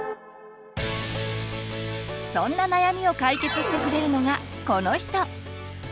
そんな悩みを解決してくれるのがこの人！